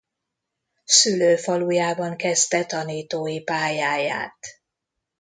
Szülőfalujában kezdte tanítói pályáját.